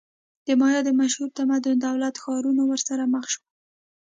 د مایا د مشهور تمدن دولت-ښارونه ورسره مخ شول.